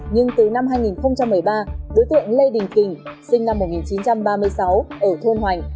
nhưng từ năm hai nghìn một mươi ba đối tượng lê đình kình sinh năm một nghìn chín trăm ba mươi sáu ở thôn hoành